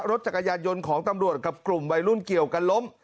รถจักรยานยนต์ของตำรวจกับกลุ่มวัยรุ่นเกี่ยวกันล้ม